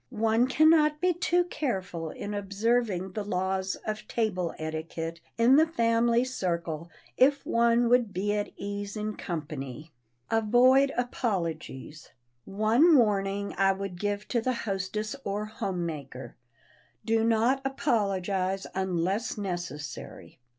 One can not be too careful in observing the laws of table etiquette in the family circle if one would be at ease in company. [Sidenote: AVOID APOLOGIES] One warning I would give to the hostess or homemaker: Do not apologize unless necessary!